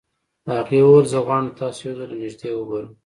هغې وويل زه غواړم تاسو يو ځل له نږدې وګورم.